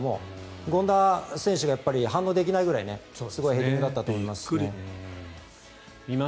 権田選手が反応できないくらいすごいヘディングだったと思います。